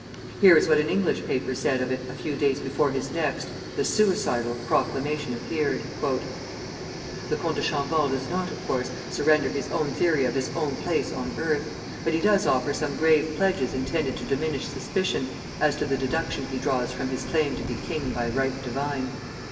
Here is what an English paper said of it a few days before his next the suicidal proclamation appeared: "The Comte de Chambord does not, of course, surrender his own theory of his own place on earth, but he does offer some grave pledges intended to diminish suspicion as to the deduction he draws from his claim to be king by right divine.